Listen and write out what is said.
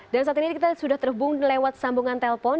dan saat ini kita sudah terhubung lewat sambungan telpon